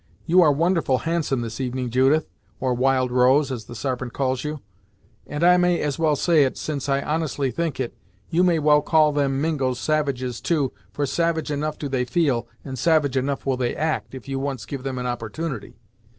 You are wonderful handsome this evening, Judith, or Wild Rose, as the Sarpent calls you, and I may as well say it, since I honestly think it! You may well call them Mingos, savages too, for savage enough do they feel, and savage enough will they act, if you once give them an opportunity.